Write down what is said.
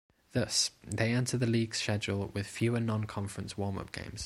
Thus, they enter the league schedule with fewer non-conference warm-up games.